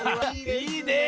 いいね。